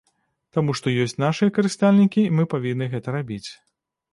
Таму што ёсць нашыя карыстальнікі і мы павінны гэта рабіць.